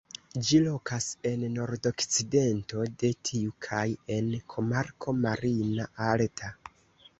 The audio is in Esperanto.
Ĝi lokas en nordokcidento de tiu kaj en komarko "Marina Alta".